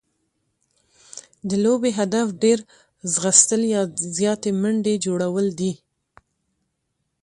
د لوبي هدف ډېر ځغستل يا زیاتي منډي جوړول دي.